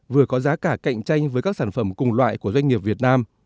vừa có giá cả cạnh tranh với các sản phẩm cùng loại của doanh nghiệp việt nam